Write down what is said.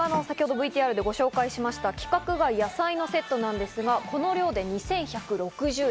ＶＴＲでご紹介しました規格外野菜のセットですが、この量で２１６０円。